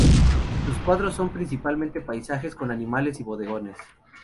Sus cuadros son principalmente paisajes con animales y bodegones.